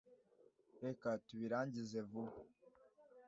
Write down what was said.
reka tubirangize vuba